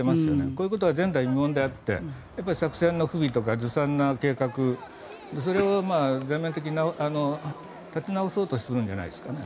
こういうことは前代未聞であって作戦の不備とかずさんな計画それを全面的に立て直そうとしているんじゃないですかね。